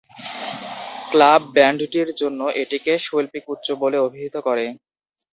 Club" ব্যান্ডটির জন্য এটিকে " শৈল্পিক উচ্চ" বলে অভিহিত করে।